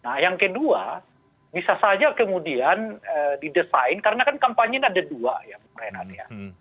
nah yang kedua bisa saja kemudian didesain karena kan kampanye ini ada dua ya bung renat ya